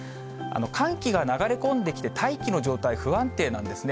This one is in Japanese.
寒気が流れ込んできて、大気の状態、不安定なんですね。